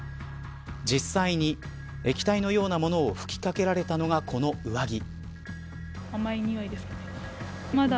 実際に、液体のようなものを吹きかけられたのがこの上着。